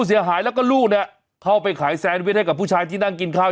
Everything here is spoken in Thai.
เสียหายแล้วก็ลูกเนี่ยเข้าไปขายแซนวิชให้กับผู้ชายที่นั่งกินข้าว